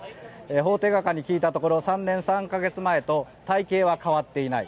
法廷画家に聞いたところ３年３か月前と体形は変わっていない。